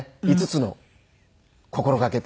５つの心がけ。